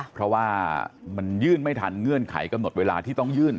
เพราะว่ามันยื่นไม่ทันเงื่อนไขกำหนดเวลาที่ต้องยื่น